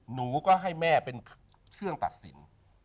หนูก็ให้แม่เป็นเครื่องตัดสิน